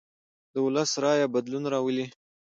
د ولس رایه بدلون راولي